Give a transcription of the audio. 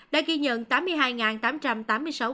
đã ghi nhận tám mươi hai ca nhiễm biến thể omicron